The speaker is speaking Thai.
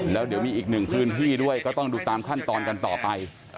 แล้วเดี๋ยวมีอีกหนึ่งพื้นที่ด้วยก็ต้องดูตามขั้นตอนกันต่อไป